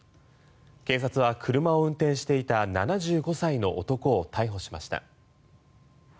警察は車を運転していた７５歳の男を逮捕しました。